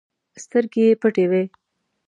سترګې یې پټې وي.